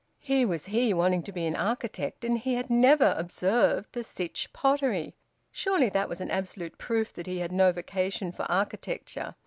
Here was he wanting to be an architect, and he had never observed the Sytch Pottery! Surely that was an absolute proof that he had no vocation for architecture!